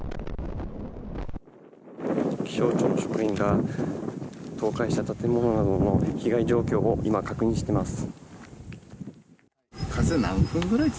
気象庁の職員が倒壊した建物などの被害状況を今、確認しています。